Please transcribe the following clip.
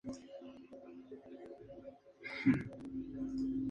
La serie fue la cuarta y última entrega de "Four Hearts of the Mountains".